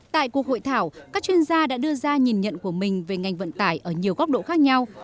tại cuộc hội thảo các chuyên gia đã đưa ra nhìn nhận của mình về ngành vận tải ở nhiều góc độ khác nhau